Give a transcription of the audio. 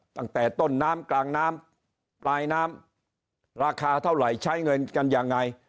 ตั้งแต่ต้นน้ำกลางน้ำปลายน้ำราคาเท่าไหร่ใช้เงินกันยังไง